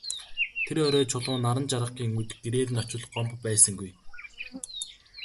Тэр орой Чулуун наран жаргахын үед гэрээр нь очвол Гомбо байсангүй.